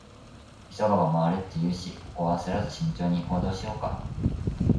「急がば回れ」って言うし、ここは焦らず慎重に行動しようか。